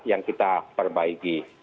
yang kita perbaiki